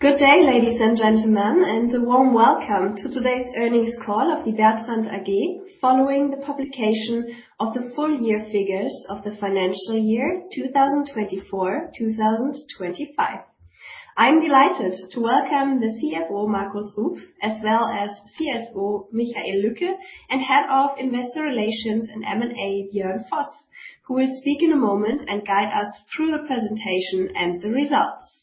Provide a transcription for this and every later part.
Good day, ladies and gentlemen, and a warm welcome to today's earnings call of the Bertrandt AG, following the publication of the full year figures of the financial year 2024, 2025. I'm delighted to welcome the CFO, Markus Ruf, as well as CSO, Michael Lücke, and Head of Investor Relations and M&A, Björn Voss, who will speak in a moment and guide us through the presentation and the results.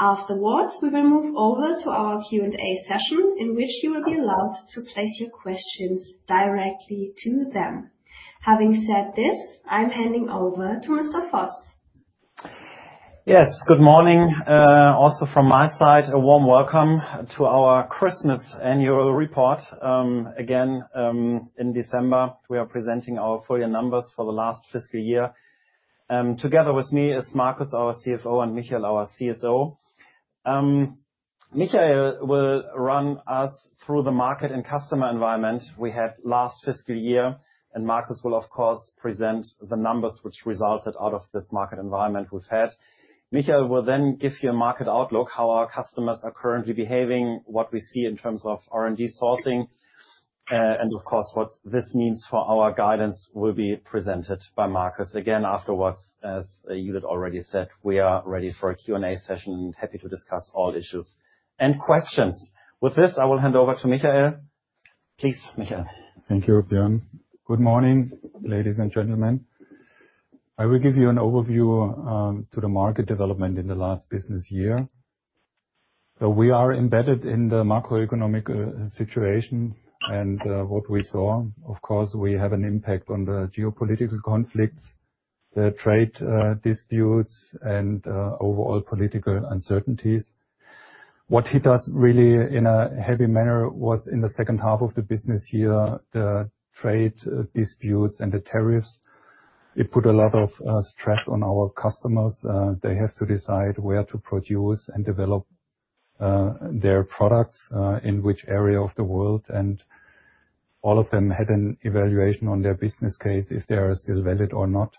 Afterwards, we will move over to our Q&A session, in which you will be allowed to place your questions directly to them. Having said this, I'm handing over to Mr. Voss. Yes, good morning. Also from my side, a warm welcome to our Christmas annual report. Again, in December, we are presenting our full year numbers for the last fiscal year. Together with me is Markus, our CFO, and Michael, our CSO. Michael will run us through the market and customer environment we had last fiscal year, and Markus will, of course, present the numbers which resulted out of this market environment we've had. Michael will then give you a market outlook, how our customers are currently behaving, what we see in terms of R&D sourcing, and of course, what this means for our guidance will be presented by Markus. Again, afterwards, as Judith already said, we are ready for a Q&A session and happy to discuss all issues and questions. With this, I will hand over to Michael. Please, Michael. Thank you, Björn. Good morning, ladies and gentlemen. I will give you an overview to the market development in the last business year. So we are embedded in the macroeconomic situation, and what we saw, of course, we have an impact on the geopolitical conflicts, the trade disputes, and overall political uncertainties. What hit us really in a heavy manner was in the second half of the business year, the trade disputes and the tariffs. It put a lot of stress on our customers. They have to decide where to produce and develop their products in which area of the world, and all of them had an evaluation on their business case, if they are still valid or not,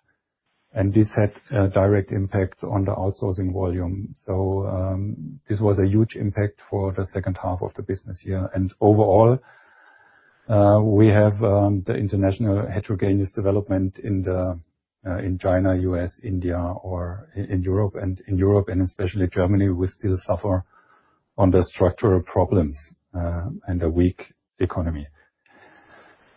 and this had a direct impact on the outsourcing volume. This was a huge impact for the second half of the business year. Overall, we have the international heterogeneous development in China, U.S., India, or in Europe. In Europe, and especially Germany, we still suffer on the structural problems and a weak economy.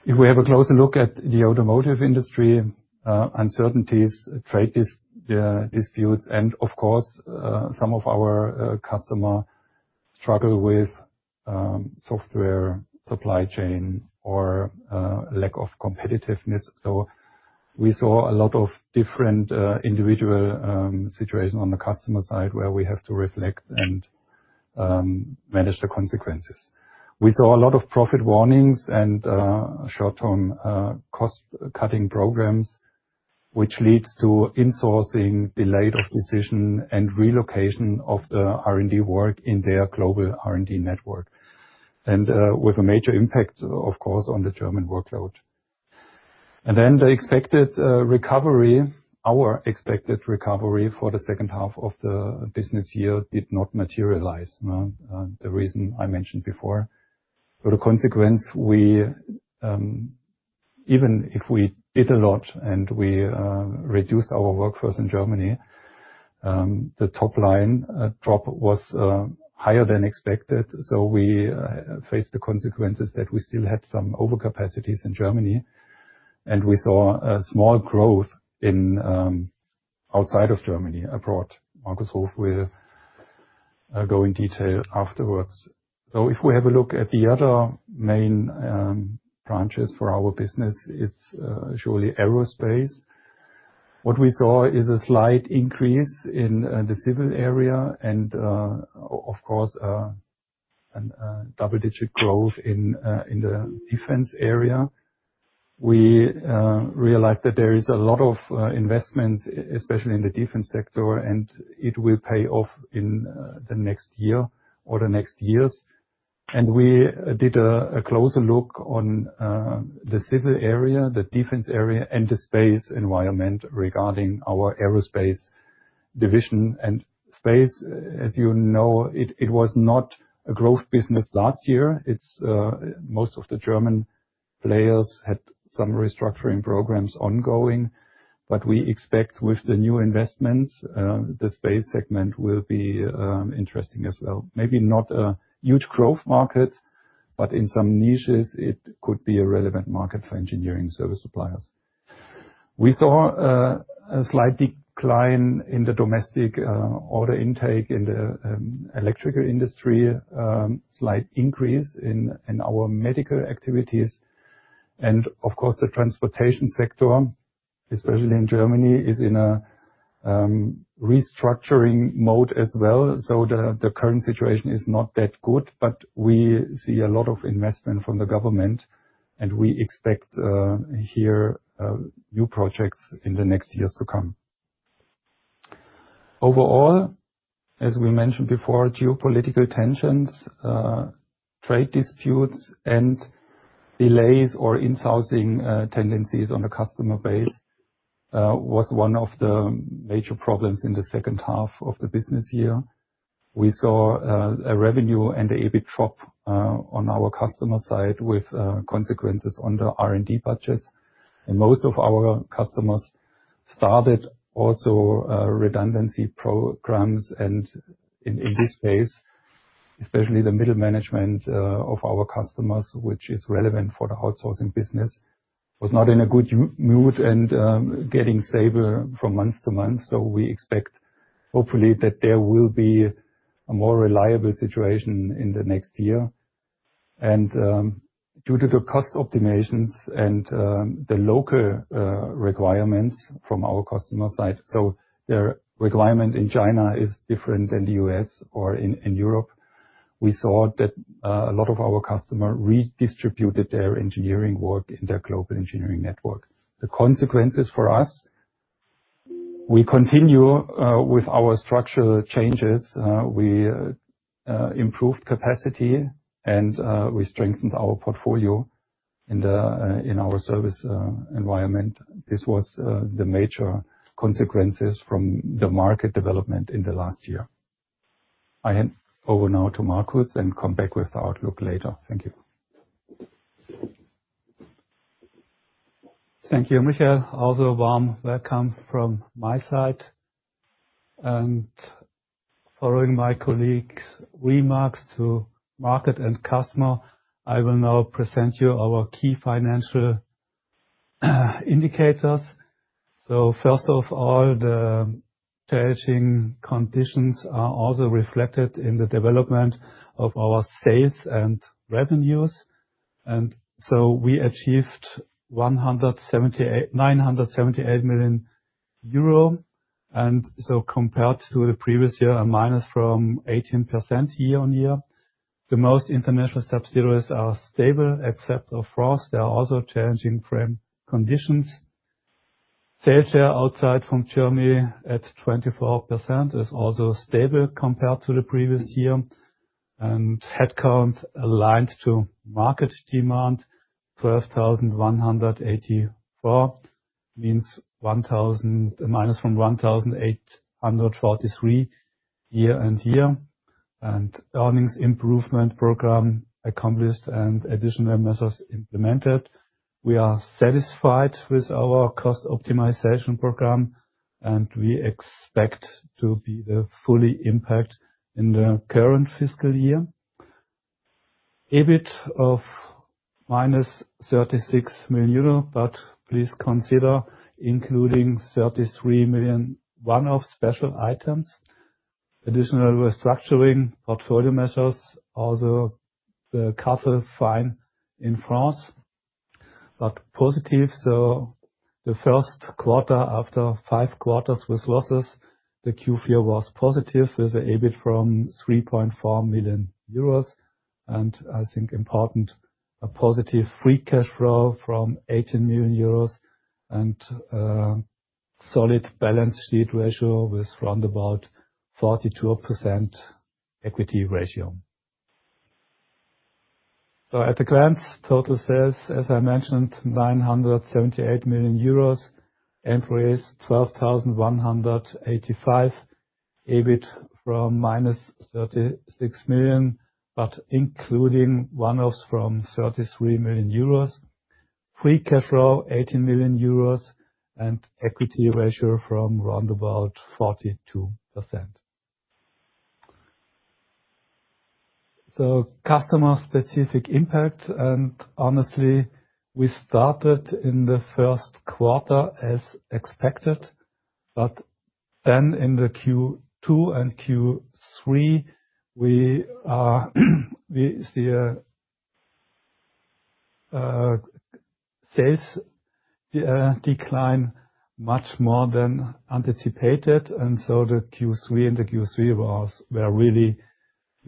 If we have a closer look at the automotive industry, uncertainties, trade disputes, and of course, some of our customer struggle with software supply chain or lack of competitiveness. We saw a lot of different individual situations on the customer side, where we have to reflect and manage the consequences. We saw a lot of profit warnings and short-term cost-cutting programs, which leads to insourcing, delay of decision, and relocation of the R&D work in their global R&D network, and with a major impact, of course, on the German workload. And then the expected recovery, our expected recovery for the second half of the business year did not materialize. Now the reason I mentioned before. So the consequence, we even if we did a lot and we reduced our workforce in Germany, the top line drop was higher than expected. So we faced the consequences that we still had some overcapacities in Germany, and we saw a small growth in outside of Germany, abroad. Markus Ruf will go in detail afterwards. So if we have a look at the other main branches for our business, it's surely aerospace. What we saw is a slight increase in the civil area and, of course, double-digit growth in the defense area. We realized that there is a lot of investments, especially in the defense sector, and it will pay off in the next year or the next years. And we did a closer look on the civil area, the defense area, and the space environment regarding our aerospace division. And space, as you know, it was not a growth business last year. It's... Most of the German players had some restructuring programs ongoing. But we expect with the new investments, the space segment will be interesting as well. Maybe not a huge growth market, but in some niches it could be a relevant market for engineering service suppliers. We saw a slight decline in the domestic order intake in the electrical industry, slight increase in our medical activities. And of course, the transportation sector, especially in Germany, is in a restructuring mode as well. So the current situation is not that good, but we see a lot of investment from the government, and we expect here new projects in the next years to come. Overall, as we mentioned before, geopolitical tensions, trade disputes, and delays or insourcing tendencies on the customer base was one of the major problems in the second half of the business year. We saw a revenue and the EBIT drop on our customer side, with consequences on the R&D budgets. Most of our customers started also redundancy programs. In this phase, especially the middle management of our customers, which is relevant for the outsourcing business, was not in a good mood and getting safer from month to month. So we expect, hopefully, that there will be a more reliable situation in the next year. Due to the cost optimizations and the local requirements from our customer side, so their requirement in China is different than the U.S. or in Europe. We saw that a lot of our customer redistributed their engineering work in their global engineering network. The consequences for us, we continue with our structural changes. We improved capacity, and we strengthened our portfolio in our service environment. This was the major consequences from the market development in the last year. I hand over now to Markus and come back with the outlook later. Thank you. Thank you, Michael. Also, warm welcome from my side. Following my colleague's remarks to market and customer, I will now present you our key financial indicators. First of all, the challenging conditions are also reflected in the development of our sales and revenues. So we achieved 978 million euro, and so compared to the previous year, a minus from 18% year-on-year. The most international subsidiaries are stable, except for France. There are also challenging frame conditions. Sales share outside from Germany at 24%, is also stable compared to the previous year. And headcount aligned to market demand, 12,184, means minus from 1,843, year-on-year. Earnings improvement program accomplished and additional measures implemented. We are satisfied with our cost optimization program, and we expect to feel the full impact in the current fiscal year. EBIT of -36 million euro, but please consider including 33 million one-off special items. Additional restructuring portfolio measures, also the cartel fine in France. But positive, so the first quarter after five quarters with losses, the Q4 was positive, with EBIT of 3.4 million euros. And I think important, a positive free cash flow of 18 million euros and solid balance sheet ratio with around about 42% equity ratio. So at a glance, total sales, as I mentioned, 978 million euros. Employees, 12,185. EBIT of -36 million, but including one-offs of 33 million euros. Free cash flow, 18 million euros, and equity ratio of around about 42%. So customer-specific impact, and honestly, we started in the first quarter as expected, but then in the Q2 and Q3, we are, we see a sales decline much more than anticipated, and so the Q2 and Q3 were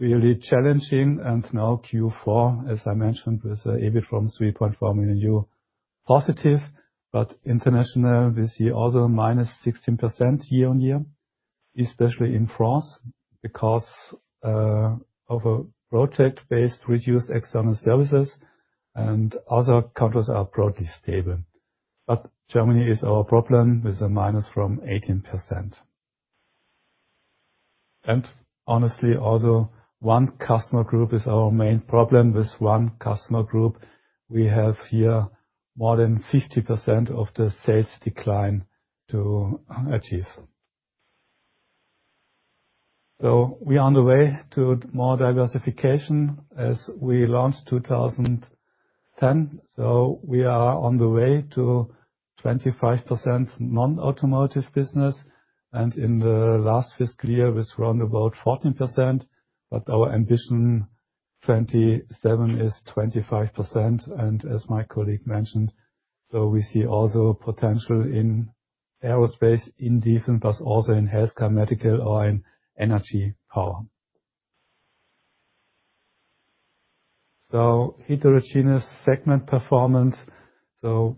really, really challenging. And now Q4, as I mentioned, with EBIT of 3.4 million positive, but international, we see also -16% year-on-year. Especially in France, because of a project-based reduced external services and other countries are broadly stable. But Germany is our problem, with a minus of 18%. And honestly, also, one customer group is our main problem. This one customer group, we have here more than 50% of the sales decline to achieve. So we are on the way to more diversification as we launched 2010. We are on the way to 25% non-automotive business, and in the last fiscal year, it was around 14%, but our ambition, 2027, is 25%. As my colleague mentioned, we see also potential in aerospace, in defense, but also in healthcare, medical, or in energy power. Heterogeneous segment performance.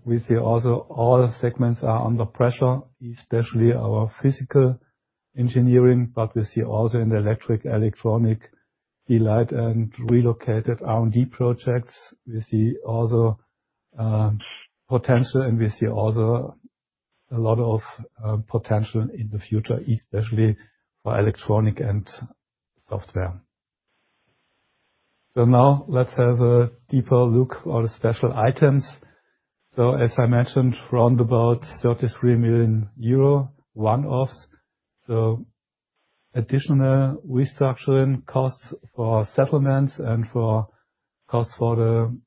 We see also all segments are under pressure, especially our physical engineering, but we see also in the electric, electronic delight and relocated R&D projects. We see also potential, and we see also a lot of potential in the future, especially for electronic and software. Now let's have a deeper look on the special items. As I mentioned, around EUR 33 million one-offs. Additional restructuring costs for settlements and for costs for the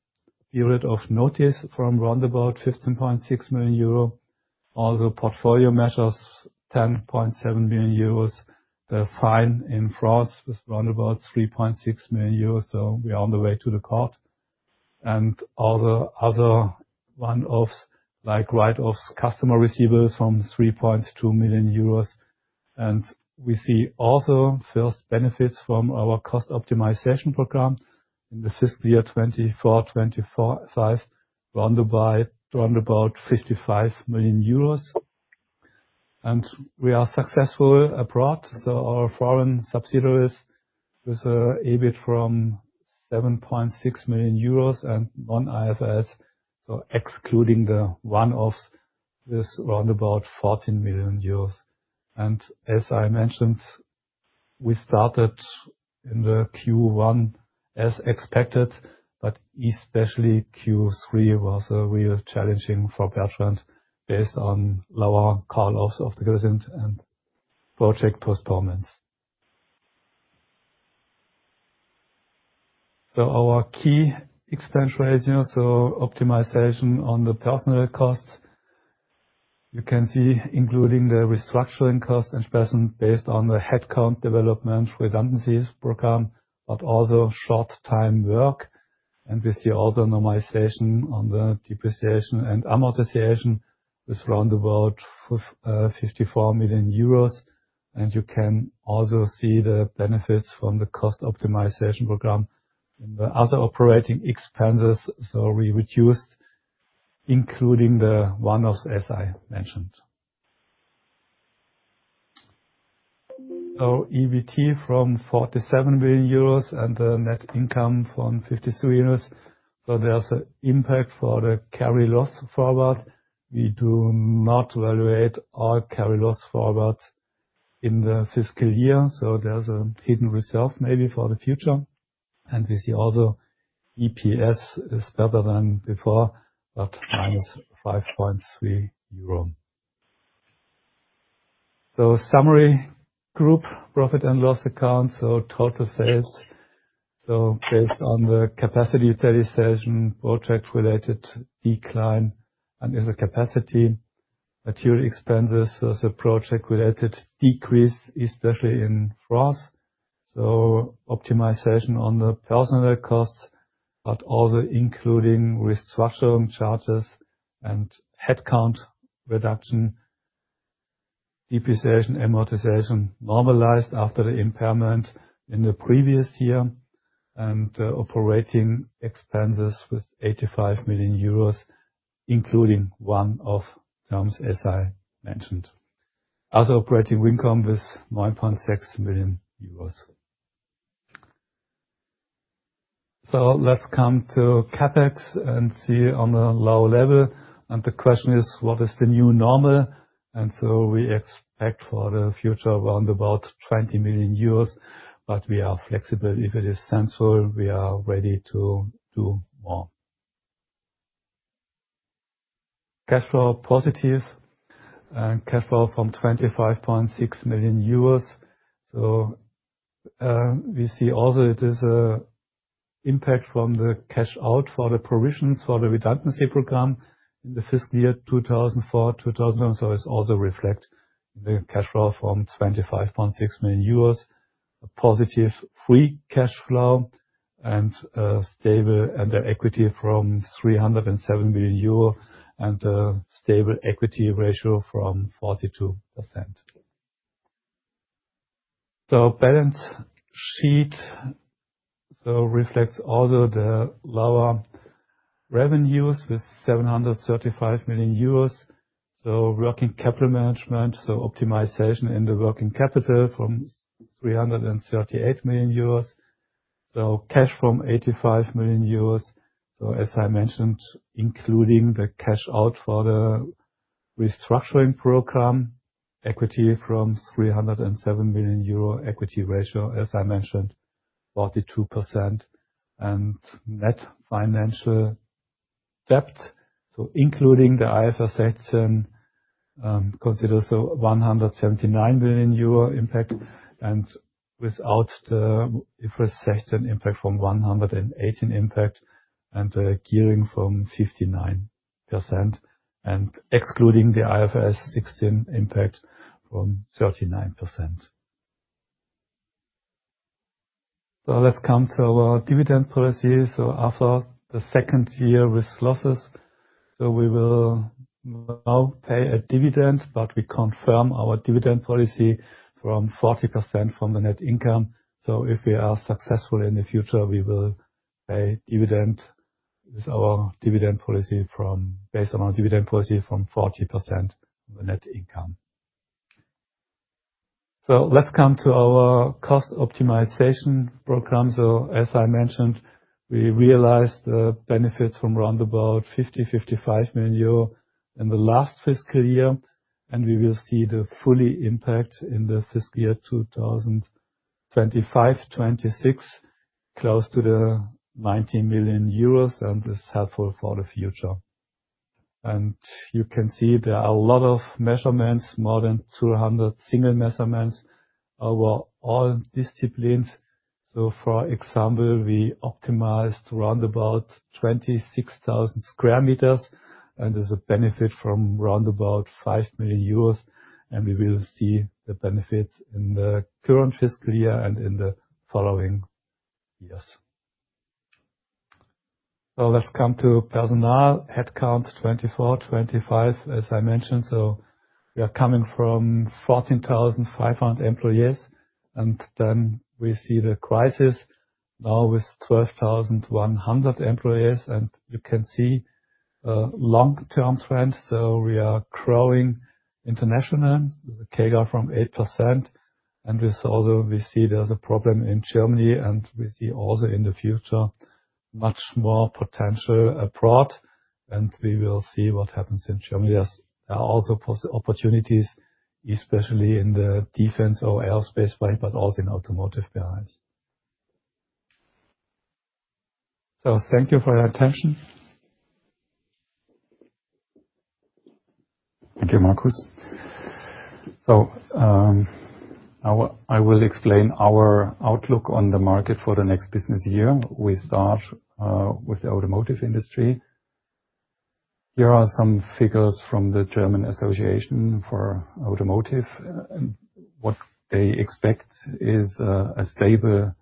period of notice from around 15.6 million euro. Other portfolio measures, 10.7 billion euros. The fine in France was round about 3.6 million euros, so we are on the way to the court. Other one-offs, like write-offs, customer receivables from 3.2 million euros. We see also first benefits from our cost optimization program in the fiscal year 2024, 2025, rounded by round about 55 million euros. We are successful abroad, so our foreign subsidiaries with EBIT from 7.6 million euros and non-IFRS. Excluding the one-offs, is around about 14 million euros. As I mentioned, we started in the Q1 as expected, but especially Q3 was really challenging for Bertrandt based on lower call-offs of the current and project postponements. Our key expense ratio, so optimization on the personnel costs. You can see, including the restructuring costs and person based on the headcount development redundancies program, but also short time work. And we see also normalization on the depreciation and amortization is round about 54 million euros. And you can also see the benefits from the cost optimization program in the other operating expenses, so we reduced, including the one-offs, as I mentioned. So EBT from 47 billion euros and the net income from 53 euros. So there's an impact for the carry loss forward. We do not evaluate our carry loss forward in the fiscal year, so there's a hidden reserve maybe for the future. And we see also EPS is better than before, but -EUR 5.3. So summary, group profit and loss account, so total sales. So based on the capacity utilization, project-related decline and in the capacity, material expenses as a project-related decrease, especially in France. So optimization on the personnel costs, but also including restructuring charges and headcount reduction, depreciation, amortization, normalized after the impairment in the previous year, and operating expenses with 85 million euros, including one-off terms, as I mentioned. Other operating income was EUR 9.6 million. So let's come to CapEx and see on a lower level. And the question is: What is the new normal? And so we expect for the future around about 20 million euros, but we are flexible. If it is sensible, we are ready to do more. Cash flow positive and cash flow from 25.6 million euros. So, we see also it is a impact from the cash out for the provisions for the redundancy program in the fiscal year 2004. So it's also reflect the cash flow from 25.6 million euros, a positive free cash flow and stable, and the equity from 307 million euro and a stable equity ratio of 42%. So balance sheet, so reflects also the lower revenues with 735 million euros. So working capital management, so optimization in the working capital from 338 million euros. So cash from 85 million euros, so as I mentioned, including the cash out for the restructuring program, equity from 307 million euro, equity ratio, as I mentioned, 42%. Net financial debt, so including the IFRS section, considers a 179 billion euro impact, and without the IFRS section, impact from 118 impact, and gearing from 59%, and excluding the IFRS 16 impact from 39%. So let's come to our dividend policy. So after the second year with losses, so we will now pay a dividend, but we confirm our dividend policy from 40% from the net income. So if we are successful in the future, we will pay dividend with our dividend policy from- based on our dividend policy from 40% net income. So let's come to our cost optimization program. So as I mentioned, we realized benefits from around about 50 million-55 million euro in the last fiscal year, and we will see the full impact in the fiscal year 2025, 2026, close to 90 million euros, and this is helpful for the future. And you can see there are a lot of measurements, more than 200 single measurements over all disciplines. So for example, we optimized around about 26,000 square meters, and there's a benefit from around about 5 million euros, and we will see the benefits in the current fiscal year and in the following years. So let's come to personnel. Headcount 2024, 2025, as I mentioned. So we are coming from 14,500 employees, and then we see the crisis now with 12,100 employees. You can see long-term trends, so we are growing internationally with a CAGR of 8%. And we see there's a problem in Germany, and we see also in the future much more potential abroad, and we will see what happens in Germany. There's also possible opportunities, especially in the defense or aerospace way, but also in automotive BI. Thank you for your attention. Thank you, Markus. I will explain our outlook on the market for the next business year. We start with the automotive industry. Here are some figures from the German Association for Automotive, and what they expect is a stable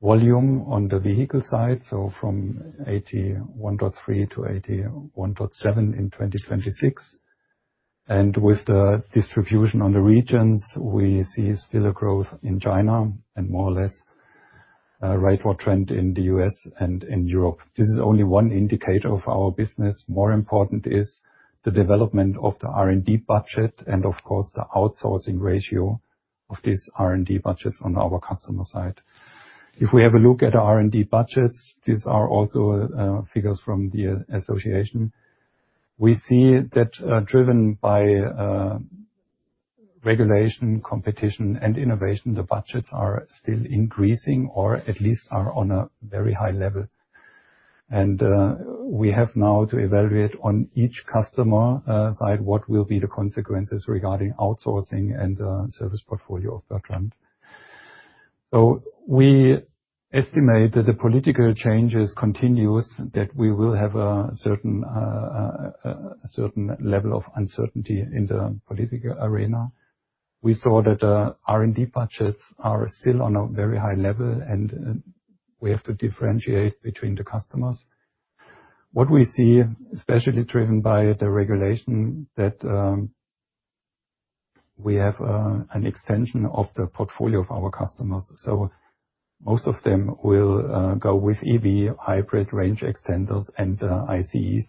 volume on the vehicle side, so from 81.3 to 81.7 in 2026. With the distribution on the regions, we see still a growth in China and more or less a rate or trend in the US and in Europe. This is only one indicator of our business. More important is the development of the R&D budget and, of course, the outsourcing ratio of this R&D budget on our customer side. If we have a look at our R&D budgets, these are also figures from the association. We see that, driven by, regulation, competition, and innovation, the budgets are still increasing or at least are on a very high level. And, we have now to evaluate on each customer, side, what will be the consequences regarding outsourcing and, service portfolio of Bertrandt. So we estimate that the political changes continues, that we will have a certain, a certain level of uncertainty in the political arena. We saw that, R&D budgets are still on a very high level, and, we have to differentiate between the customers. What we see, especially driven by the regulation, that, we have, an extension of the portfolio of our customers. So most of them will, go with EV, hybrid range extenders, and ICEs.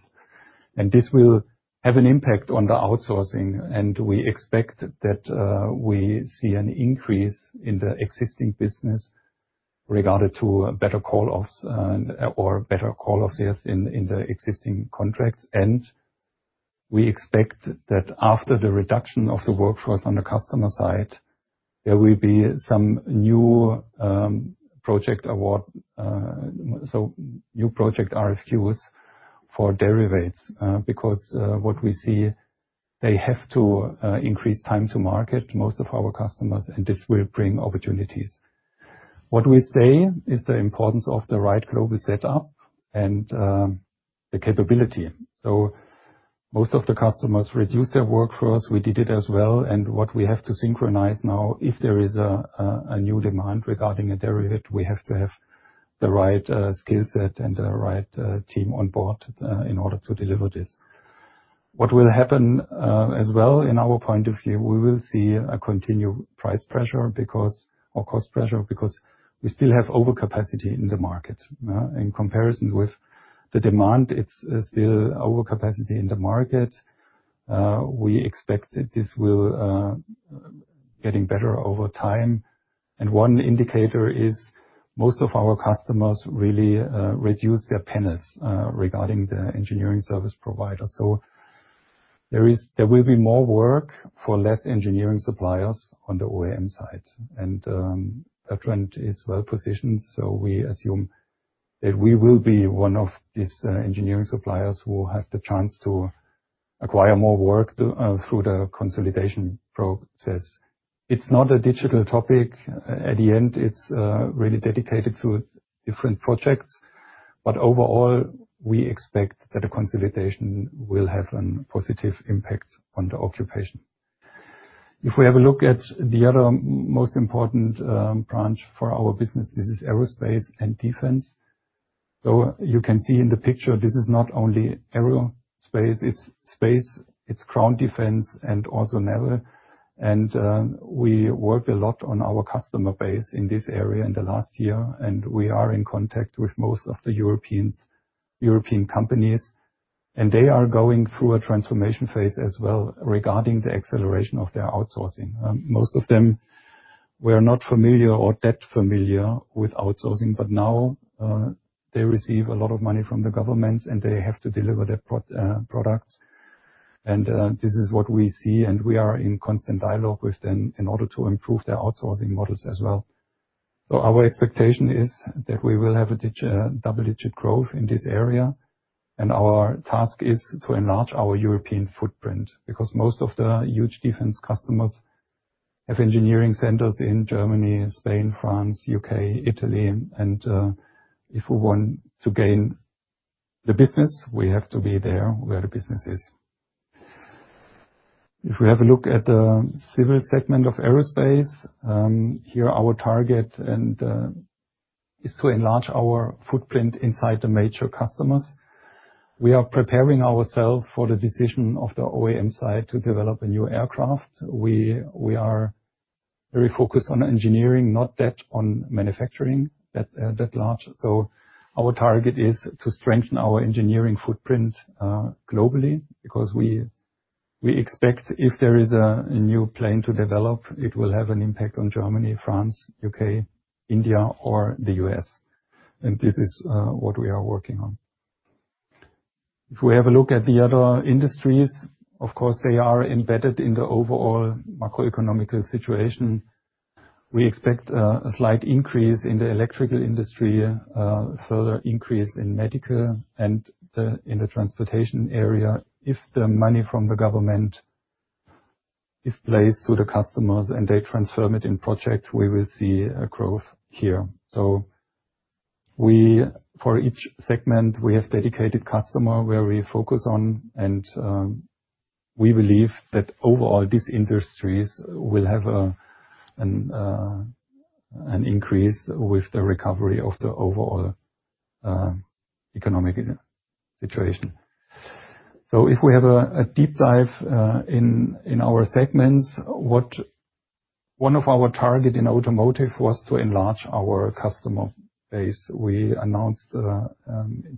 This will have an impact on the outsourcing, and we expect that we see an increase in the existing business regarded to a better call-offs, or better call-offs in the existing contracts. We expect that after the reduction of the workforce on the customer side, there will be some new project award, so new project RFQs for derivatives. Because what we see, they have to increase time to market, most of our customers, and this will bring opportunities. What we say is the importance of the right global setup and the capability. So most of the customers reduce their workforce. We did it as well, and what we have to synchronize now, if there is a new demand regarding a derivative, we have to have the right skill set and the right team on board in order to deliver this. What will happen as well, in our point of view, we will see a continued price pressure because or cost pressure, because we still have overcapacity in the market in comparison with the demand, it's still overcapacity in the market. We expect that this will getting better over time. And one indicator is most of our customers really reduce their tenants regarding the engineering service provider. So there will be more work for less engineering suppliers on the OEM side, and the trend is well positioned. So we assume that we will be one of these engineering suppliers who will have the chance to acquire more work through the consolidation process. It's not a digital topic. At the end, it's really dedicated to different projects, but overall, we expect that the consolidation will have a positive impact on the occupation. If we have a look at the other most important branch for our business, this is aerospace and defense. So you can see in the picture, this is not only aerospace, it's space, it's ground defense, and also naval. And we worked a lot on our customer base in this area in the last year, and we are in contact with most of the Europeans, European companies. And they are going through a transformation phase as well, regarding the acceleration of their outsourcing. Most of them were not familiar or that familiar with outsourcing, but now they receive a lot of money from the government, and they have to deliver their products. This is what we see, and we are in constant dialogue with them in order to improve their outsourcing models as well. So our expectation is that we will have a double-digit growth in this area, and our task is to enlarge our European footprint, because most of the huge defense customers have engineering centers in Germany, Spain, France, U.K., Italy, and if we want to gain the business, we have to be there where the business is. If we have a look at the civil segment of aerospace, here our target is to enlarge our footprint inside the major customers. We are preparing ourselves for the decision of the OEM side to develop a new aircraft. We are very focused on engineering, not that on manufacturing, that large. So our target is to strengthen our engineering footprint globally, because we expect if there is a new plane to develop, it will have an impact on Germany, France, U.K., India, or the U.S., and this is what we are working on. If we have a look at the other industries, of course, they are embedded in the overall macroeconomic situation. We expect a slight increase in the electrical industry, further increase in medical and in the transportation area. If the money from the government is placed to the customers and they transform it in projects, we will see a growth here. So, for each segment, we have dedicated customer where we focus on, and we believe that overall, these industries will have an increase with the recovery of the overall economic situation. So if we have a deep dive in our segments, one of our target in automotive was to enlarge our customer base. We announced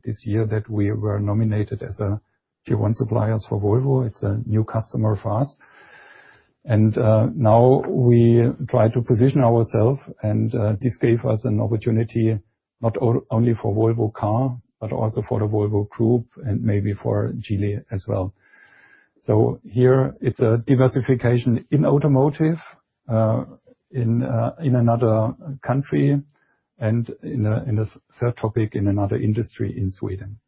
this year that we were nominated as a Tier One suppliers for Volvo. It's a new customer for us, and now we try to position ourself, and this gave us an opportunity, not only for Volvo Car, but also for the Volvo Group and maybe for Geely as well. So here, it's a diversification in automotive in another country, and in a third topic, in another industry in Sweden.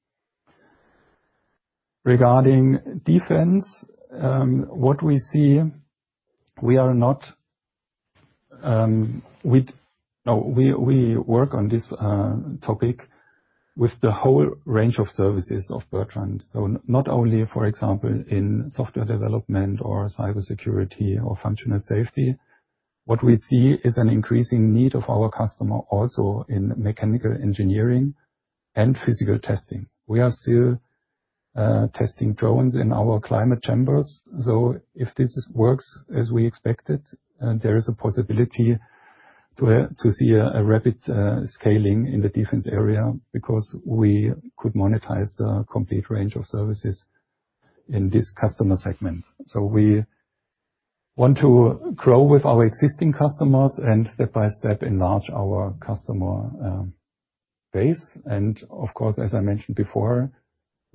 Regarding defense, what we see, we work on this topic with the whole range of services of Bertrandt. So not only, for example, in software development or cybersecurity or functional safety. What we see is an increasing need of our customer, also in mechanical engineering and physical testing. We are still testing drones in our climate chambers, so if this works as we expected, and there is a possibility to see a rapid scaling in the defense area, because we could monetize the complete range of services in this customer segment. So we want to grow with our existing customers, and step by step,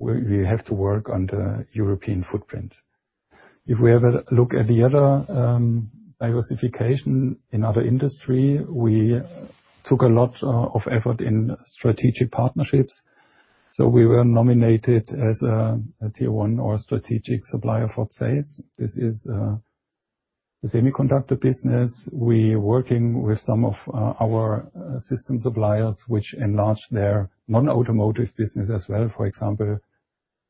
enlarge our customer base. And, of course, as I mentioned before, we have to work on the European footprint. If we have a look at the other, diversification in other industry, we took a lot of effort in strategic partnerships, so we were nominated as a Tier One or strategic supplier for ZEISS. This is the semiconductor business. We working with some of our system suppliers, which enlarge their non-automotive business as well, for example,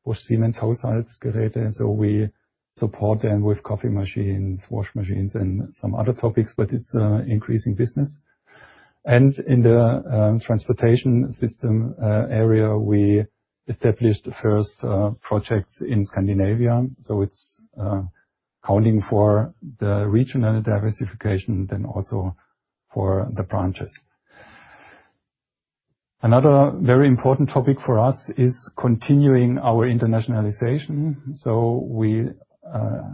for Siemens Hausgeräte, so we support them with coffee machines, washing machines and some other topics, but it's increasing business. And in the transportation system area, we established the first projects in Scandinavia, so it's accounting for the regional diversification, then also for the branches. Another very important topic for us is continuing our internationalization, so we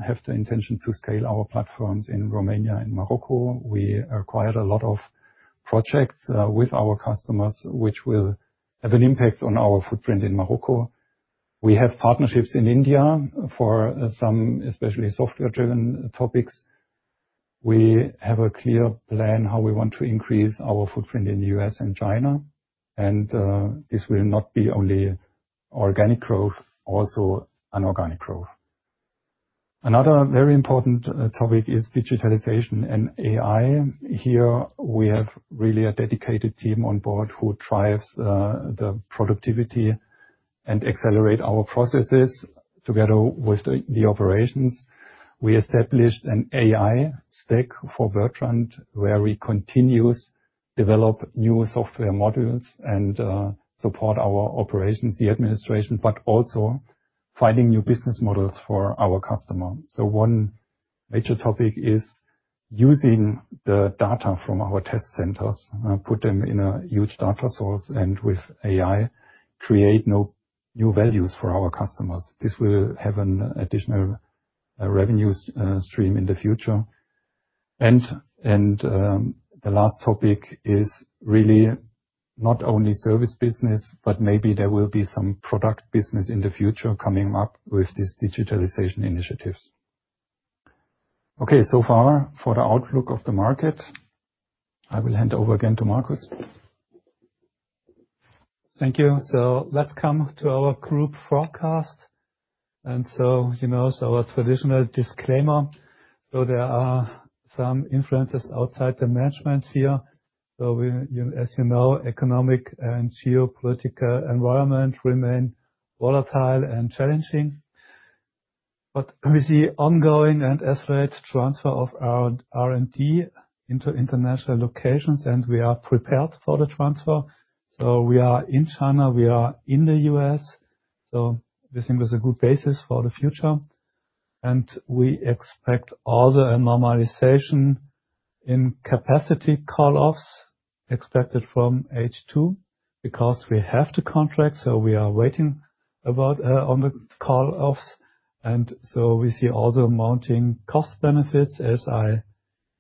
have the intention to scale our platforms in Romania and Morocco. We acquired a lot of projects with our customers, which will have an impact on our footprint in Morocco. We have partnerships in India for some, especially software-driven topics. We have a clear plan how we want to increase our footprint in the US and China, and this will not be only organic growth, also inorganic growth. Another very important topic is digitalization and AI. Here, we have really a dedicated team on board who drives the productivity and accelerate our processes together with the operations. We established an AI stack for Bertrandt, where we continuous develop new software modules and support our operations, the administration, but also finding new business models for our customer. So one-... Major topic is using the data from our test centers, put them in a huge data source, and with AI, create new values for our customers. This will have an additional revenue stream in the future. The last topic is really not only service business, but maybe there will be some product business in the future coming up with these digitalization initiatives. Okay, so far for the outlook of the market, I will hand over again to Markus. Thank you. So let's come to our group forecast. And so, you know, so our traditional disclaimer, so there are some influences outside the management here. So we—you know, as you know, economic and geopolitical environment remain volatile and challenging. But we see ongoing and accelerated transfer of our R&D into international locations, and we are prepared for the transfer. So we are in China, we are in the U.S., so we think there's a good basis for the future. And we expect all the normalization in capacity call-offs expected from H2, because we have the contract, so we are waiting about on the call-offs. And so we see all the mounting cost benefits, as I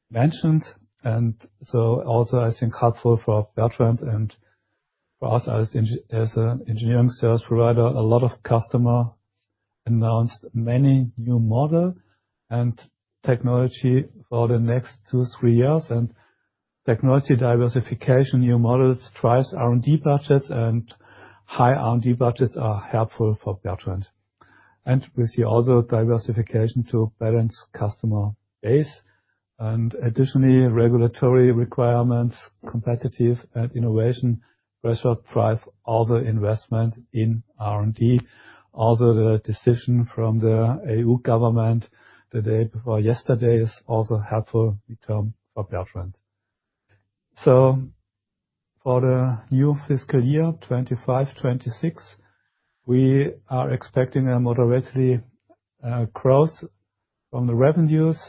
mentioned. And so also, I think, helpful for Bertrandt and for us as an engineering sales provider. A lot of customers announced many new models and technology for the next two, three years. Technology diversification, new models, drives R&D budgets, and high R&D budgets are helpful for Bertrandt. We see also diversification to balance customer base, and additionally, regulatory requirements, competitive and innovation pressure drive all the investment in R&D. Also, the decision from the E.U. government the day before yesterday is also helpful in terms for Bertrandt. So for the new fiscal year 2025, 2026, we are expecting a moderately growth from the revenues,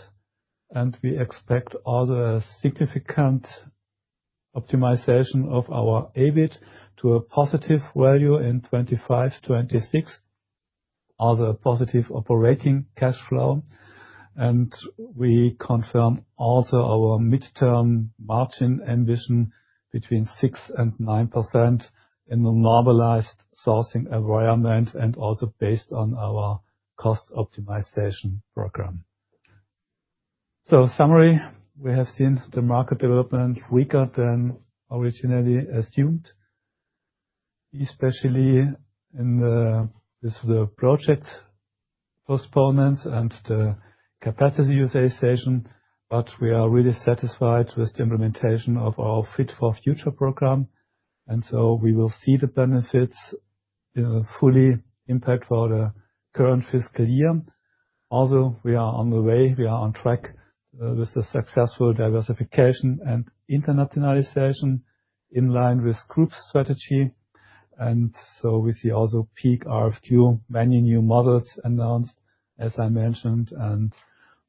and we expect the significant optimization of our EBIT to a positive value in 2025, 2026. Also, a positive operating cash flow. We confirm also our mid-term margin ambition between 6% and 9% in the normalized sourcing environment, and also based on our cost optimization program. So in summary, we have seen the market development weaker than originally assumed, especially in the, with the project postponements and the capacity utilization, but we are really satisfied with the implementation of our Fit for Future program. So we will see the benefits fully impact for the current fiscal year. Also, we are on the way, we are on track with the successful diversification and internationalization in line with group strategy. So we see also peak RFQ, many new models announced, as I mentioned, and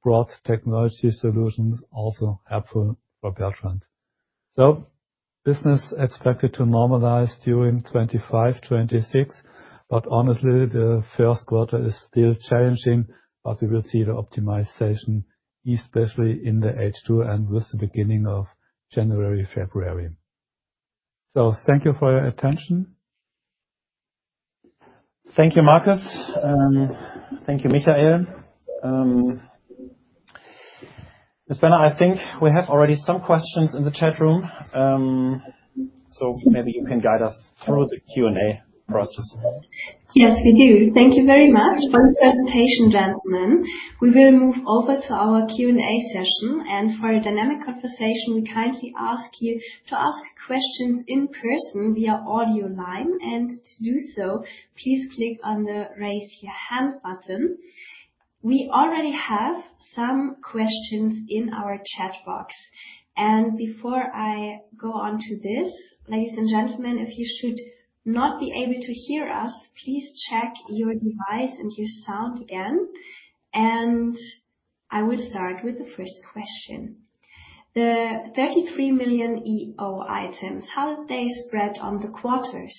broad technology solutions also helpful for Bertrand. So business expected to normalize during 2025, 2026, but honestly, the first quarter is still challenging, but we will see the optimization, especially in the H2 and with the beginning of January, February. So thank you for your attention. Thank you, Markus. Thank you, Michael. Ms. Benner, I think we have already some questions in the chat room, so maybe you can guide us through the Q&A process. Yes, we do. Thank you very much for the presentation, gentlemen. We will move over to our Q&A session, and for a dynamic conversation, we kindly ask you to ask questions in person via audio line, and to do so, please click on the Raise Your Hand button. We already have some questions in our chat box, and before I go on to this, ladies and gentlemen, if you should not be able to hear us, please check your device and your sound again. And I will start with the first question: The 33 million EO items, how did they spread on the quarters?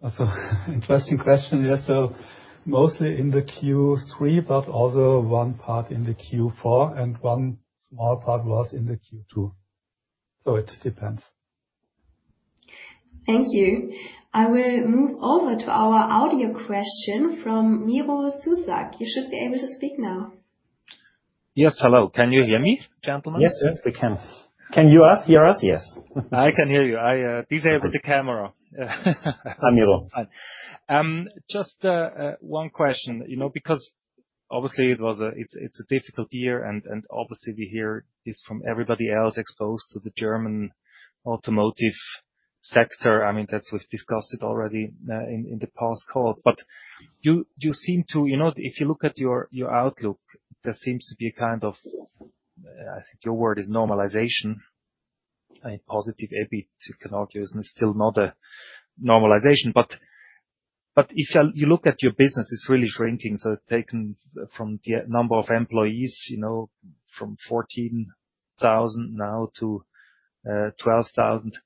That's an interesting question. Yes, so mostly in the Q3, but also one part in the Q4, and one small part was in the Q2. So it depends. Thank you. I will move over to our audio question from Miro Susak. You should be able to speak now. Yes. Hello. Can you hear me, gentlemen? Yes, yes, we can. Can you hear us? Yes. I can hear you. I disabled the camera. I'm Miro. Just one question, you know, because obviously, it was a—it's a difficult year, and obviously, we hear this from everybody else exposed to the German automotive sector. I mean, that's, we've discussed it already in the past calls. But you seem to... You know, if you look at your outlook, there seems to be a kind of, I think your word is normalization. A positive EBIT, you can argue, is still not a normalization. But if you look at your business, it's really shrinking. So taken from the number of employees, you know, from 14,000 now to 12,000.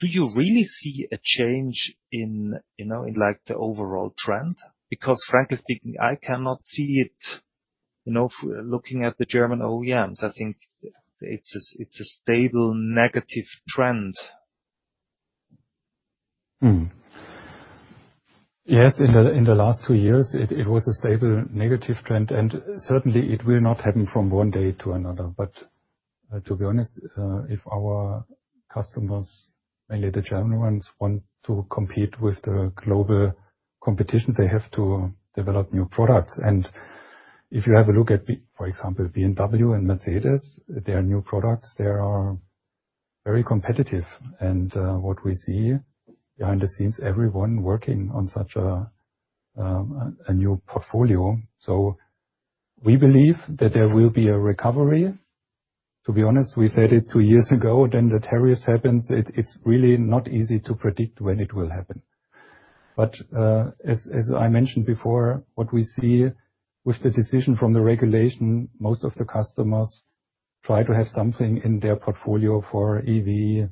Do you really see a change in, you know, in like the overall trend? Because frankly speaking, I cannot see it, you know, looking at the German OEMs. I think it's a stable negative trend. Yes, in the last two years, it was a stable negative trend, and certainly it will not happen from one day to another. But, to be honest, if our customers, mainly the German ones, want to compete with the global competition, they have to develop new products. And if you have a look at, for example, BMW and Mercedes, their new products, they are very competitive. And, what we see behind the scenes, everyone working on such a new portfolio. So we believe that there will be a recovery. To be honest, we said it two years ago, then the tariffs happens. It's really not easy to predict when it will happen. But, as I mentioned before, what we see with the decision from the regulation, most of the customers try to have something in their portfolio for EV,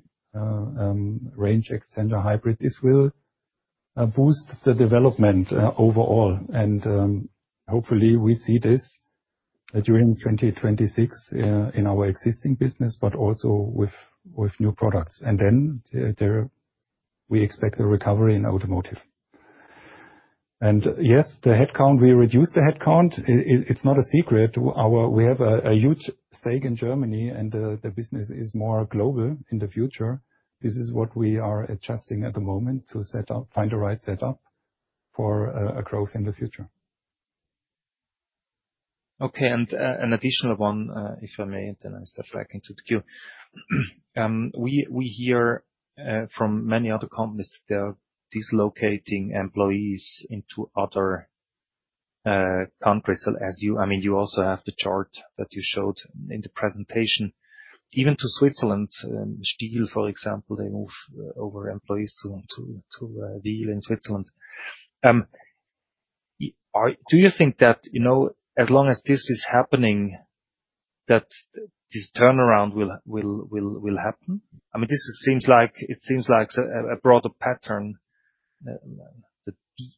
range extender hybrid. This will boost the development overall, and hopefully, we see this during 2026 in our existing business, but also with new products. And then, we expect a recovery in automotive. And yes, the headcount, we reduced the headcount. It, it's not a secret. We have a huge stake in Germany, and the business is more global in the future. This is what we are adjusting at the moment to set up, find the right setup for a growth in the future. Okay, and, an additional one, if I may, then I start back into the queue. We hear from many other companies that they are relocating employees into other countries, as you... I mean, you also have the chart that you showed in the presentation, even to Switzerland. Stihl, for example, they move over employees to Wil in Switzerland. Are—do you think that, you know, as long as this is happening, that this turnaround will happen? I mean, this seems like, it seems like a broader pattern, the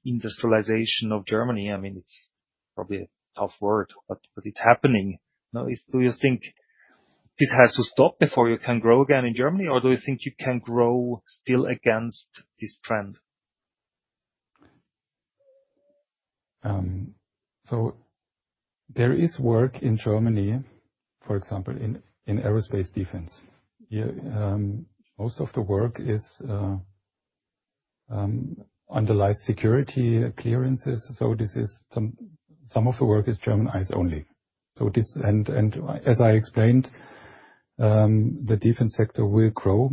deindustrialization of Germany. I mean, it's probably a tough word, but it's happening. Now, do you think this has to stop before you can grow again in Germany? Or do you think you can grow still against this trend? So there is work in Germany, for example, in aerospace defense. Yeah, most of the work underlies security clearances, so some of this work is German eyes only. So this. And as I explained, the defense sector will grow,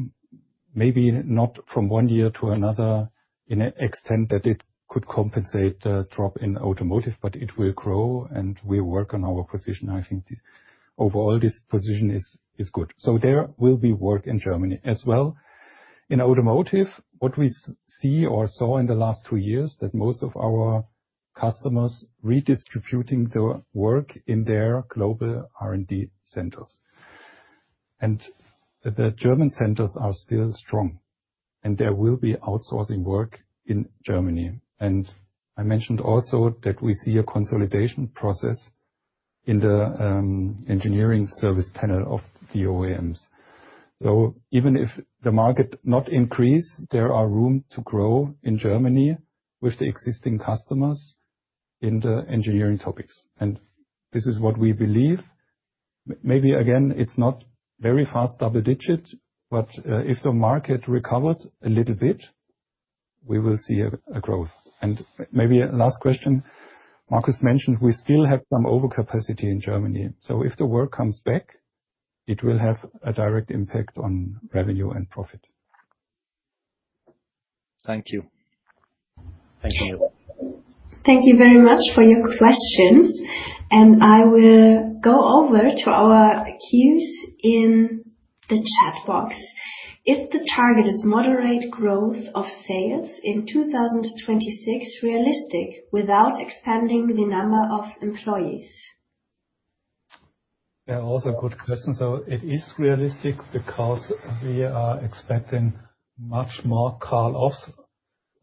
maybe not from one year to another, in an extent that it could compensate a drop in automotive, but it will grow, and we work on our position. I think overall, this position is good. So there will be work in Germany as well. In automotive, what we see or saw in the last two years, that most of our customers redistributing their work in their global R&D centers. And the German centers are still strong, and there will be outsourcing work in Germany. And I mentioned also that we see a consolidation process in the engineering service panel of the OEMs. So even if the market not increase, there are room to grow in Germany with the existing customers in the engineering topics, and this is what we believe. Maybe again, it's not very fast double digit, but if the market recovers a little bit, we will see a growth. And maybe last question, Markus mentioned we still have some overcapacity in Germany, so if the work comes back, it will have a direct impact on revenue and profit. Thank you. Thank you. Thank you very much for your questions, and I will go over to our queues in the chat box. If the target is moderate growth of sales in 2026, realistic without expanding the number of employees? Yeah, also a good question. So it is realistic because we are expecting much more call-offs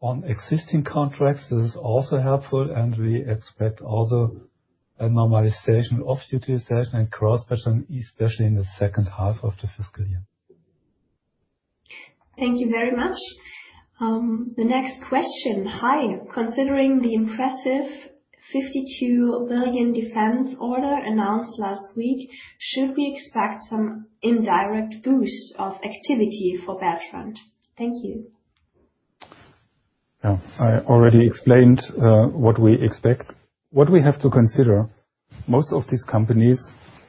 on existing contracts. This is also helpful, and we expect also a normalization of utilization and cross-pattern, especially in the second half of the fiscal year. Thank you very much. The next question: Hi, considering the impressive 52 billion defense order announced last week, should we expect some indirect boost of activity for Bertrandt? Thank you. Yeah, I already explained what we expect. What we have to consider, most of these companies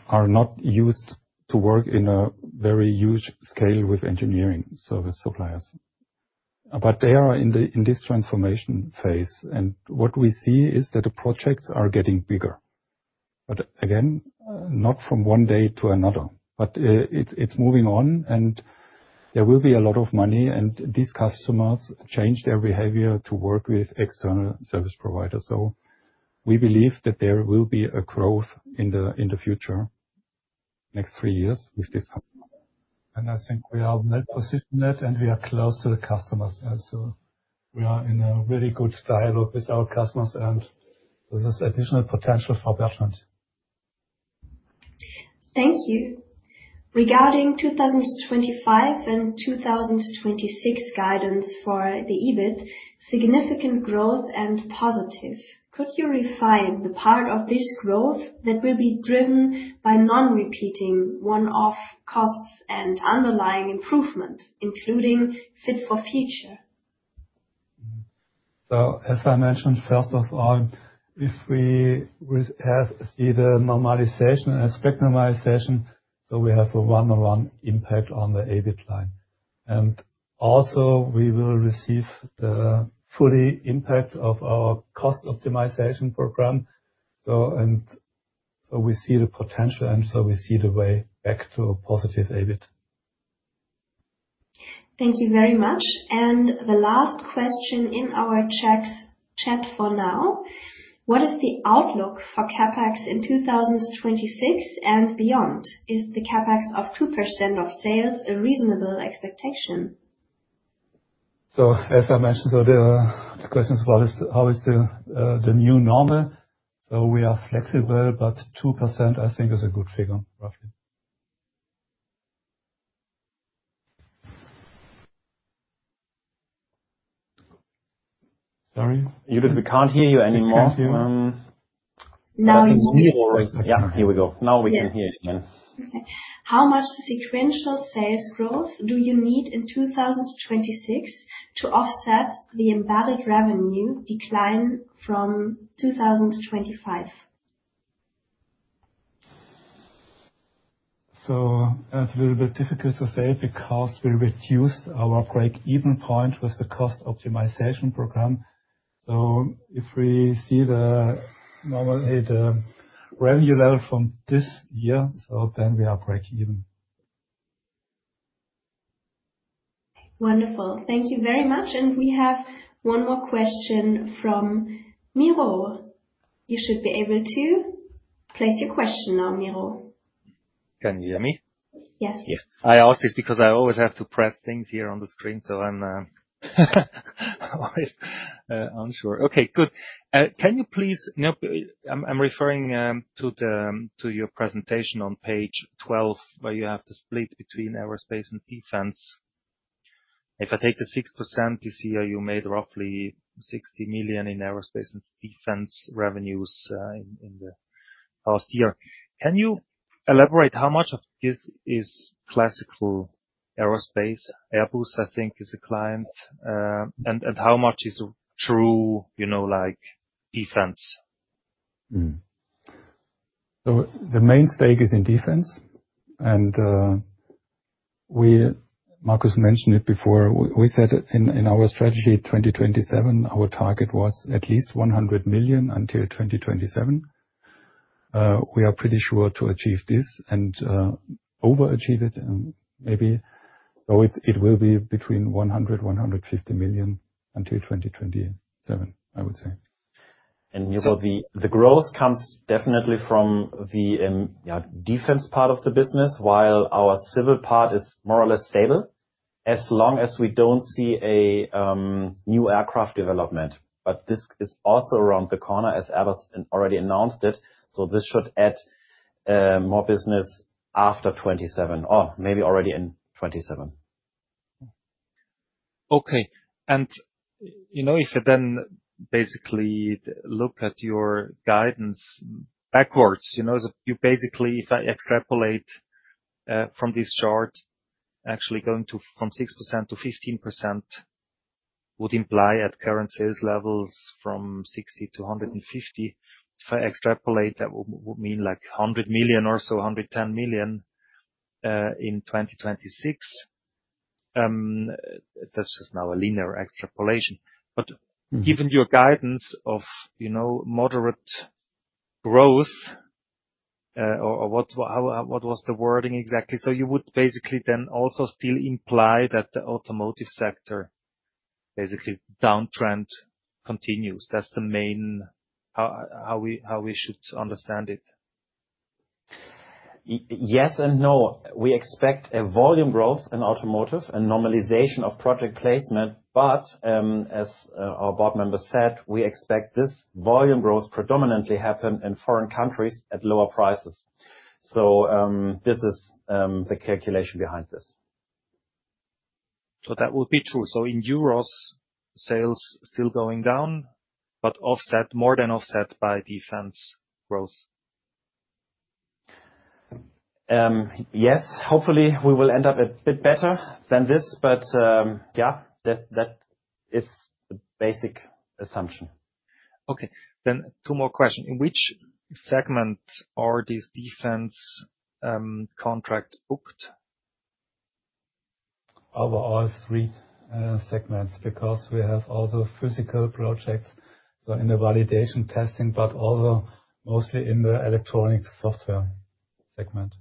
are not used to work in a very huge scale with engineering service suppliers. But they are in this transformation phase, and what we see is that the projects are getting bigger. But again, not from one day to another, but it's moving on, and there will be a lot of money, and these customers change their behavior to work with external service providers. So we believe that there will be a growth in the future, next three years with these customers. I think we are net persistent, and we are close to the customers, and so we are in a very good dialogue with our customers, and this is additional potential for Bertrandt. Thank you. Regarding 2025 and 2026 guidance for the EBIT, significant growth and positive. Could you refine the part of this growth that will be driven by non-repeating one-off costs and underlying improvement, including Fit for Future? So, as I mentioned, first of all, if we see the normalization, expect normalization, so we have a one-on-one impact on the EBIT line. And also we will receive the full impact of our cost optimization program. So and so, we see the potential, and so we see the way back to a positive EBIT. Thank you very much. And the last question in our chats, chat for now: What is the outlook for CapEx in 2026 and beyond? Is the CapEx of 2% of sales a reasonable expectation? As I mentioned, the question is, what is, how is the new normal? So we are flexible, but 2%, I think, is a good figure, roughly. Sorry? Judith, we can't hear you anymore. We can't hear you. Now we can. Yeah, here we go. Now we can hear you again. Okay. How much sequential sales growth do you need in 2026 to offset the embedded revenue decline from 2025? So it's a little bit difficult to say because we reduced our break-even point with the cost optimization program. So if we see the normal revenue level from this year, so then we are break-even. Wonderful. Thank you very much. We have one more question from Miro. You should be able to place your question now, Miro. Can you hear me? Yes. Yes. I ask this because I always have to press things here on the screen, so I'm always unsure. Okay, good. Can you please, now, I'm referring to the, to your presentation on page 12, where you have the split between aerospace and defense. If I take the 6% this year, you made roughly 60 million in aerospace and defense revenues, in the past year. Can you elaborate how much of this is classical aerospace? Airbus, I think, is a client. And how much is true, you know, like, defense? So the main stake is in defense, and, Markus mentioned it before, we said it in our strategy, 2027, our target was at least 100 million until 2027. We are pretty sure to achieve this and, overachieve it, maybe. So it will be between 100 million and 150 million until 2027, I would say. And so the growth comes definitely from the defense part of the business, while our civil part is more or less stable, as long as we don't see a new aircraft development. But this is also around the corner, as Airbus has already announced it, so this should add more business after 2027, or maybe already in 2027. Okay. And, you know, if you then basically look at your guidance backwards, you know, so you basically, if I extrapolate, from this chart, actually going from 6%-15% would imply at current sales levels from 60 to 150. If I extrapolate, that would mean like 100 million or so, 110 million, in 2026. This is now a linear extrapolation. Mm-hmm. But given your guidance of, you know, moderate growth, what was the wording exactly? So you would basically then also still imply that the automotive sector, basically, downtrend continues. That's the main... How we should understand it. Yes and no. We expect a volume growth in automotive and normalization of project placement, but as our board member said, we expect this volume growth predominantly happen in foreign countries at lower prices. So, this is the calculation behind this. That would be true. In euros, sales still going down, but offset, more than offset by defense growth? Yes. Hopefully, we will end up a bit better than this, but, yeah, that is the basic assumption.... Okay, then two more questions. In which segment are these defense contracts booked? Over all three segments, because we have also physical projects, so in the validation testing, but also mostly in the electronic software segment.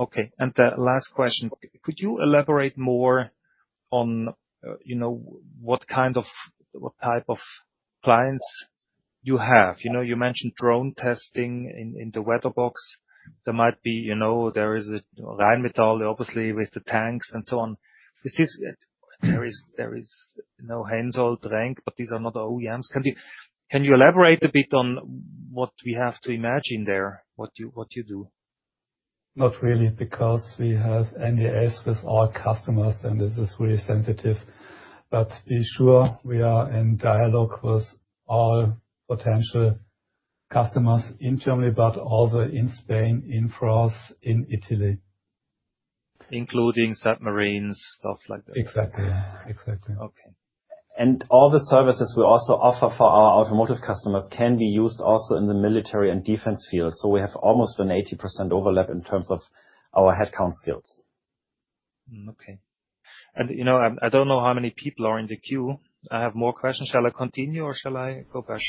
Okay, and the last question: Could you elaborate more on, you know, what type of clients you have? You know, you mentioned drone testing in the weather box. There might be, you know, there is a Rheinmetall obviously with the tanks and so on. There is, you know, Hensoldt, Renk, but these are not OEMs. Can you elaborate a bit on what we have to imagine there, what you do? Not really, because we have NDAs with our customers, and this is really sensitive. But be sure we are in dialogue with all potential customers in Germany, but also in Spain, in France, in Italy. Including submarines, stuff like that? Exactly. Exactly. Okay. All the services we also offer for our automotive customers can be used also in the military and defense field. We have almost an 80% overlap in terms of our headcount skills. Okay. And, you know, I, I don't know how many people are in the queue. I have more questions. Shall I continue or shall I go back?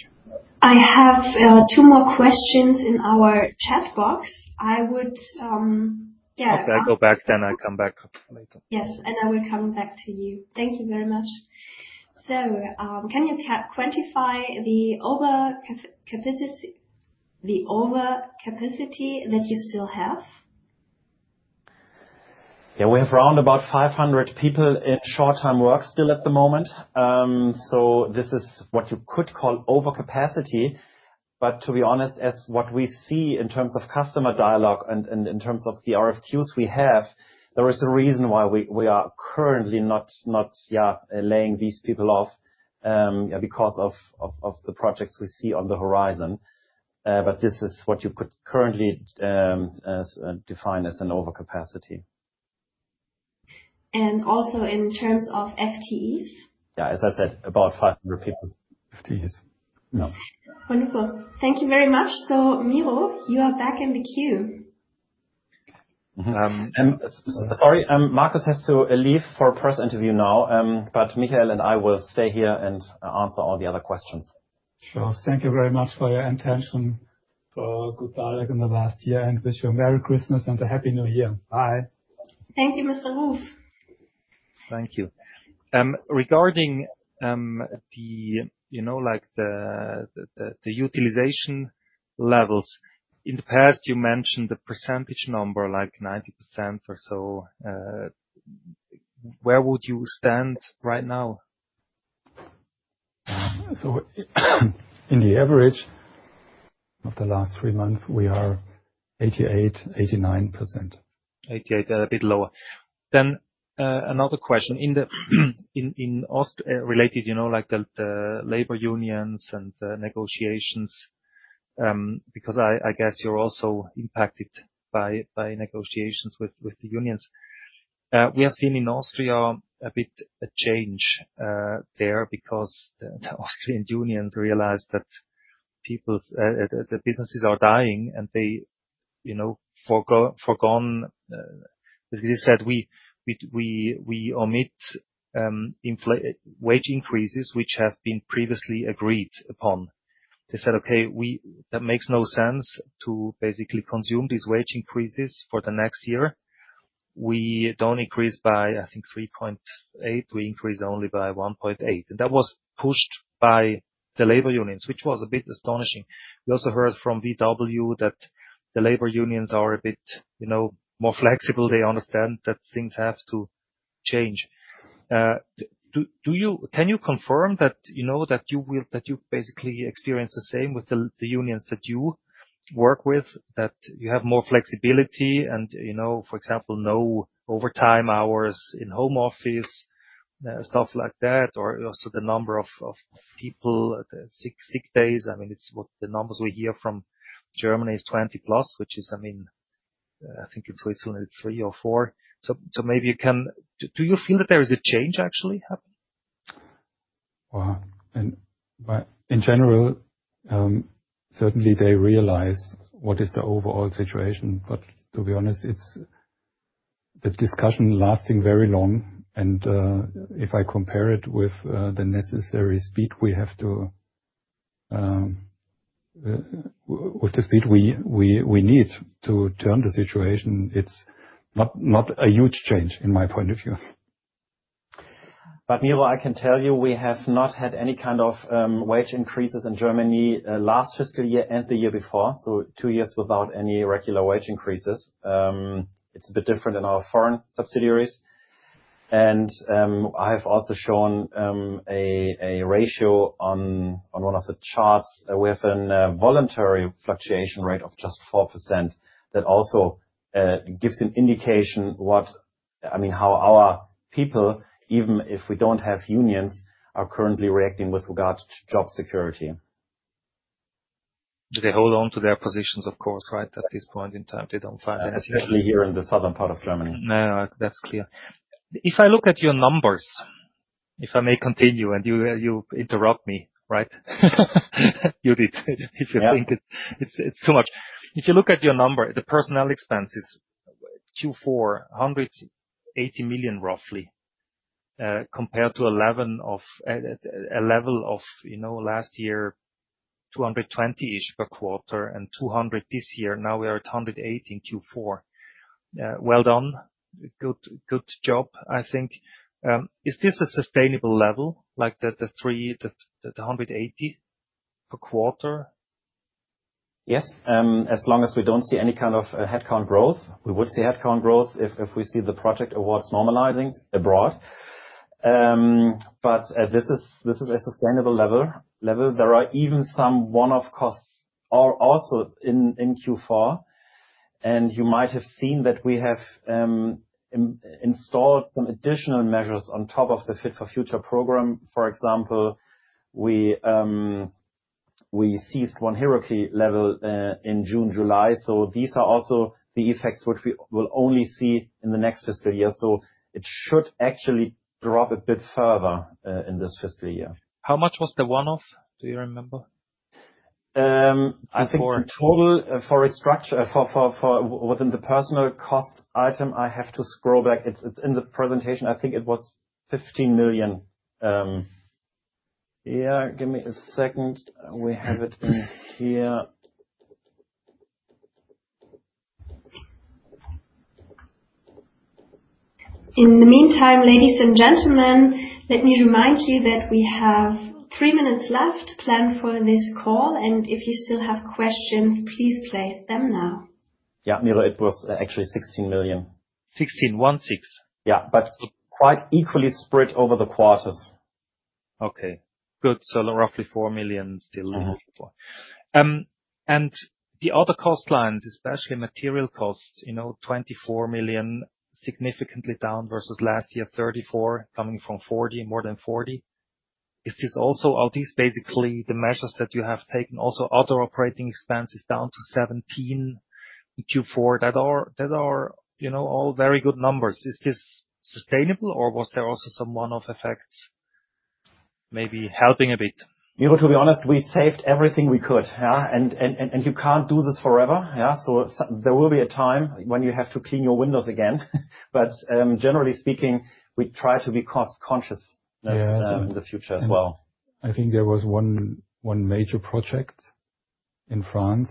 I have two more questions in our chat box. I would- Okay, I go back then, I come back later. Yes, and I will come back to you. Thank you very much. So, can you quantify the overcapacity that you still have? Yeah, we have around about 500 people in short-term work still at the moment. So this is what you could call overcapacity. But to be honest, as what we see in terms of customer dialogue and in terms of the RFQs we have, there is a reason why we are currently not laying these people off, because of the projects we see on the horizon. But this is what you could currently define as an overcapacity. Also, in terms of FTEs? Yeah, as I said, about 500 people. FTEs. Yeah. Wonderful. Thank you very much. So, Miro, you are back in the queue. Sorry, Markus has to leave for a press interview now, but Michael and I will stay here and answer all the other questions. Sure. Thank you very much for your attention, for good dialogue in the last year, and wish you a merry Christmas and a happy New Year. Bye. Thank you, Mr. Ruf. Thank you. Regarding the, you know, like, the utilization levels, in the past, you mentioned the percentage number, like 90% or so. Where would you stand right now? In the average of the last three months, we are 88%-89%. 88%, a bit lower. Then, another question. In the Austria-related, you know, like the labor unions and the negotiations, because I guess you're also impacted by negotiations with the unions. We have seen in Austria a bit of a change there, because the Austrian unions realized that the businesses are dying, and they, you know, foregone. They said, we omit inflation wage increases, which have been previously agreed upon. They said, "Okay, that makes no sense to basically consume these wage increases for the next year. We don't increase by, I think, 3.8%. We increase only by 1.8%." And that was pushed by the labor unions, which was a bit astonishing. We also heard from VW that the labor unions are a bit, you know, more flexible. They understand that things have to change. Do you--can you confirm that, you know, that you will, that you basically experience the same with the unions that you work with? That you have more flexibility and, you know, for example, no overtime hours in home office, stuff like that, or also the number of people, sick days? I mean, it's what the numbers we hear from Germany is 20+, which is, I mean, I think it's only three or four. So maybe you can... Do you feel that there is a change actually happening? Well, in general, certainly they realize what is the overall situation. But to be honest, it's the discussion lasting very long, and if I compare it with the necessary speed we have to with the speed we need to turn the situation, it's not a huge change in my point of view. But Miro, I can tell you, we have not had any kind of wage increases in Germany last fiscal year and the year before, so two years without any regular wage increases. It's a bit different in our foreign subsidiaries. I have also shown a ratio on one of the charts. We have a voluntary fluctuation rate of just 4%. That also gives an indication what... I mean, how our people, even if we don't have unions, are currently reacting with regard to job security.... They hold on to their positions, of course, right? At this point in time, they don't find it- Especially here in the southern part of Germany. Yeah, that's clear. If I look at your numbers, if I may continue, and you interrupt me, right? Judit, if you think it's too much. If you look at your number, the personnel expenses, Q4, 180 million, roughly, compared to eleven of a level of, you know, last year, 220-ish million per quarter, and 200 this year. Now we are at 180 in Q4. Well done. Good job, I think. Is this a sustainable level, like the 180 per quarter? Yes, as long as we don't see any kind of headcount growth. We would see headcount growth if we see the project awards normalizing abroad. But this is a sustainable level. There are even some one-off costs also in Q4, and you might have seen that we have installed some additional measures on top of the Fit for Future program. For example, we ceased one hierarchy level in June, July. So these are also the effects which we will only see in the next fiscal year, so it should actually drop a bit further in this fiscal year. How much was the one-off? Do you remember? I think in total, for a structure- for within the personnel cost item, I have to scroll back. It's in the presentation. I think it was 15 million. Yeah, give me a second. We have it in here. In the meantime, ladies and gentlemen, let me remind you that we have three minutes left planned for this call, and if you still have questions, please place them now. Yeah, Miro, it was actually 16 million. 16, 16? Yeah, but quite equally spread over the quarters. Okay, good. So roughly 4 million still. Mm-hmm. And the other cost lines, especially material costs, you know, 24 million, significantly down versus last year, 34 million, coming from more than 40 million. Is this also - are these basically the measures that you have taken? Also, other operating expenses down to 17 million in Q4. That are, you know, all very good numbers. Is this sustainable, or was there also some one-off effects maybe helping a bit? Miro, to be honest, we saved everything we could, yeah? And you can't do this forever, yeah? So there will be a time when you have to clean your windows again. But generally speaking, we try to be cost conscious- Yeah. in the future as well. I think there was one, one major project in France,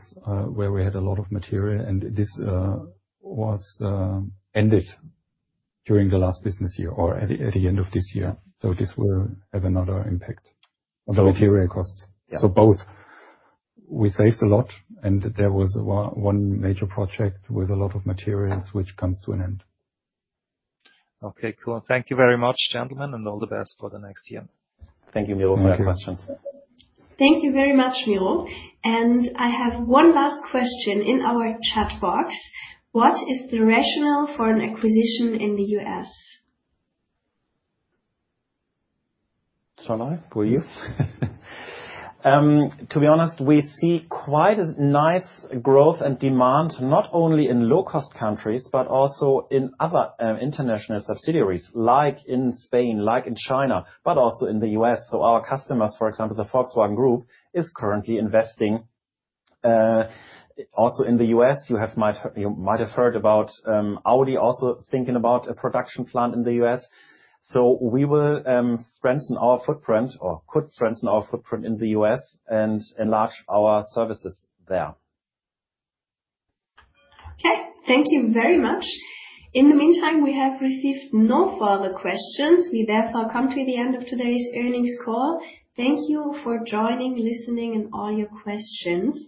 where we had a lot of material, and this was ended during the last business year or at the, at the end of this year. So this will have another impact- So- -on the material costs. Yeah. So both. We saved a lot, and there was one major project with a lot of materials, which comes to an end. Okay, cool. Thank you very much, gentlemen, and all the best for the next year. Thank you, Miro, for your questions. Thank you very much, Miro. And I have one last question in our chat box: What is the rationale for an acquisition in the U.S.? To be honest, we see quite a nice growth and demand, not only in low-cost countries, but also in other, international subsidiaries, like in Spain, like in China, but also in the U.S. So our customers, for example, the Volkswagen Group, is currently investing, also in the U.S. You might have heard about, Audi also thinking about a production plant in the U.S. So we will, strengthen our footprint, or could strengthen our footprint in the U.S. and enlarge our services there. Okay, thank you very much. In the meantime, we have received no further questions. We therefore come to the end of today's earnings call. Thank you for joining, listening, and all your questions.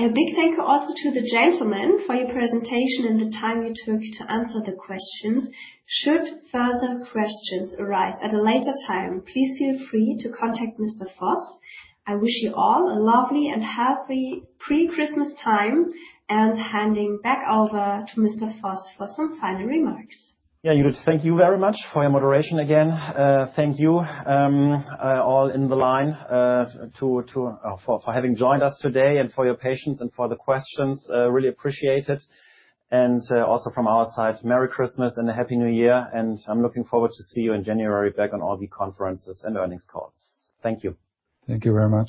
A big thank you also to the gentlemen for your presentation and the time you took to answer the questions. Should further questions arise at a later time, please feel free to contact Mr. Voss. I wish you all a lovely and healthy pre-Christmas time, and handing back over to Mr. Voss for some final remarks. Yeah, Judit, thank you very much for your moderation again. Thank you, all in the line, for having joined us today and for your patience and for the questions. Really appreciate it. Also from our side, Merry Christmas and a Happy New Year, and I'm looking forward to see you in January back on all the conferences and earnings calls. Thank you. Thank you very much.